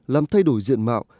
làm thay đổi diện mạo